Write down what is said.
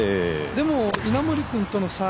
でも、稲森君との差